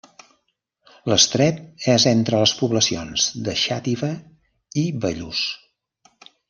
L'estret és entre les poblacions de Xàtiva i Bellús.